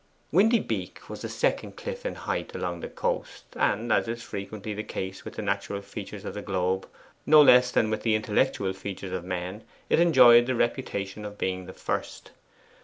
Windy Beak was the second cliff in height along that coast, and, as is frequently the case with the natural features of the globe no less than with the intellectual features of men, it enjoyed the reputation of being the first.